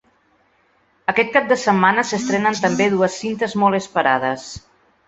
Aquest cap de setmana s’estrenen també dues cintes molt esperades.